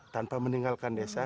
tanpa meninggalkan desa